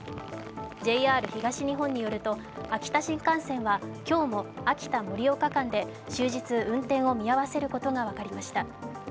ＪＲ東日本によると、秋田新幹線は今日も秋田−盛岡間で終日、運転を見合わせることが分かりました。